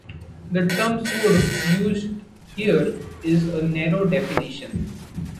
The term sword used here is a narrow definition.